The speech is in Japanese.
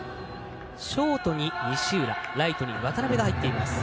ショートに西浦、ライトに渡邉が入っています。